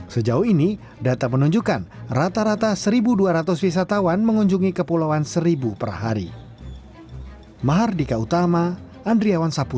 sejauh ini data menunjukkan rata rata satu dua ratus wisatawan mengunjungi kepulauan seribu per hari